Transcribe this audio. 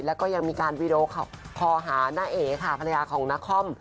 แล้วก็ยังมีการวีดีโอคอหาน้าเอ๋ค่ะภรรยาของนคร